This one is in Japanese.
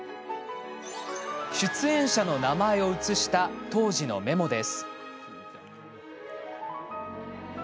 出演者の名前をうつした当時のメモです。